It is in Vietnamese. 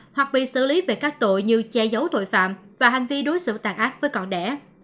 hoặc bị xử lý về các tội như che giấu tội phạm và hành vi đối xử tàn ác với con đẻ